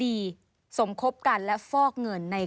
ชีวิตกระมวลวิสิทธิ์สุภาณฑ์